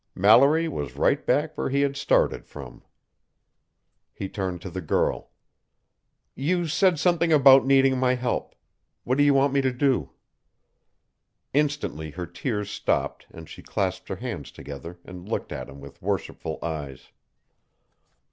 Mallory was right back where he had started from. He turned to the girl. "You said something about needing my help. What do you want me to do?" Instantly, her tears stopped and she clasped her hands together and looked at him with worshipful eyes.